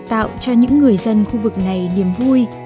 tạo cho những người dân khu vực này niềm vui